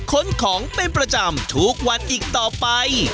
ขนของเป็นประจำทุกวันอีกต่อไป